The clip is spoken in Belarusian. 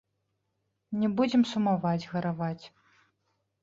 Не будзем сумаваць, гараваць.